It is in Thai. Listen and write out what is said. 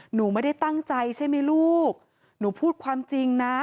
หนูไม่ได้ตั้งใจใช่ไหมลูกหนูพูดความจริงนะ